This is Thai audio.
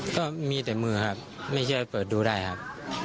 ก็มีแต่มือครับไม่เชื่อเปิดดูได้ครับ